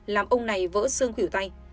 làm ông này vỡ xương khỉu tay